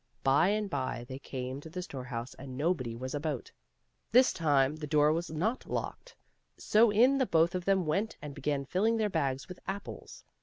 By and by they came to the storehouse, and nobody was about. This time the door was not locked, so in the both of them went and began filling their bags with apples.